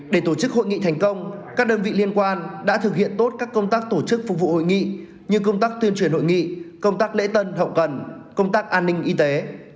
để tổ chức hội nghị thành công các đơn vị liên quan đã thực hiện tốt các công tác tổ chức phục vụ hội nghị như công tác tuyên truyền hội nghị công tác lễ tân hậu cần công tác an ninh y tế